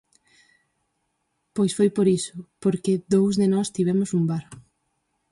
Pois foi por iso, porque dous de nós tivemos un bar.